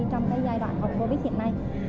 trong cái giai đoạn covid một mươi chín hiện nay